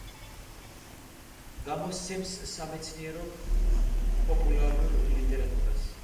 გამოსცემს სამეცნიერო პოპულარულ ლიტერატურას.